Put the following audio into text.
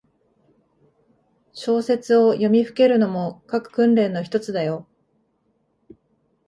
小説を読みふけるのも、書く訓練のひとつだよ。